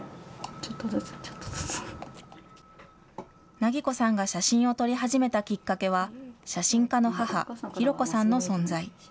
梛子さんが写真を撮り始めたきっかけは、写真家の母、紘子さんの存在。